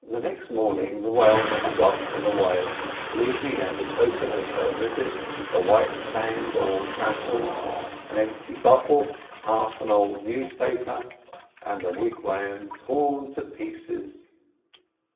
Next morning the whaleman was off and away, leaving as a token of her visit the white sand all trampled, an empty bottle, half an old newspaper, and the wigwam torn to pieces.